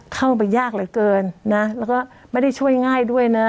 เข้าไปยากเหลือเกินนะแล้วก็ไม่ได้ช่วยง่ายด้วยนะ